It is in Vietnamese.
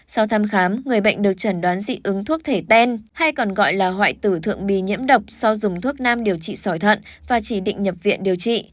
sau thăm khám người bệnh được trần đoán dị ứng thuốc thể ten hay còn gọi là hoại tử thượng bì nhiễm độc sau dùng thuốc nam điều trị sỏi thận và chỉ định nhập viện điều trị